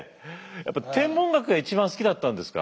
やっぱ天文学が一番好きだったんですか？